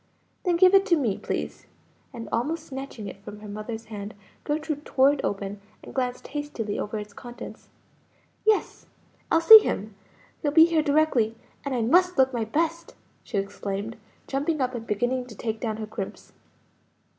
"Then give it to me, please;" and almost snatching it from her mother's hand, Gertrude tore it open, and glanced hastily over its contents. "Yes, I'll see him! he'll be here directly; and I must look my best!" she exclaimed, jumping up and beginning to take down her crimps.